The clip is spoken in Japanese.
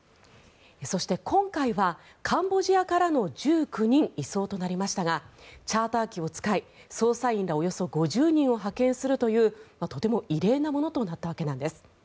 そして、今回はカンボジアからの１９人移送となりましたがチャーター機を使い、捜査員らおよそ５０人を派遣するというとても異例なものとなったわけなんです。